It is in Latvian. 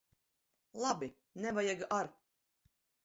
Labi! Nevajag ar'.